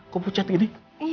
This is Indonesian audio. kok pucat gini